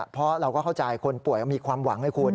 เพราะเราก็เข้าใจคนป่วยมีความหวังให้คุณ